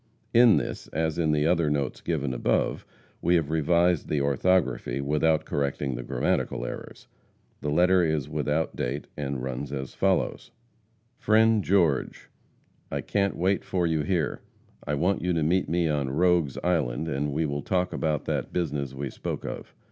In this, as in the other notes given above, we have revised the orthography, without correcting the grammatical errors. The letter is without date, and runs as follows: FRIEND GEORGE: I can't wait for you here. I want you to meet me on Rogues Island, and we will talk about that business we spoke of.